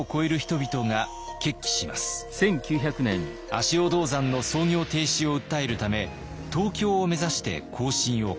足尾銅山の操業停止を訴えるため東京を目指して行進を開始。